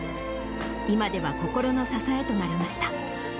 今では心の支えとなりました。